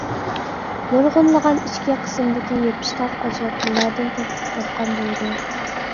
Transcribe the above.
نۇرغۇنلىغان ئىچكى قىسىمدىكى يېپىشقاق ئاجراتمىلاردىن تەركىب تاپقان بولىدۇ.